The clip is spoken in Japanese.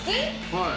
はい。